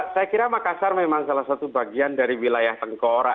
saya kira makassar memang salah satu bagian dari wilayah tengkora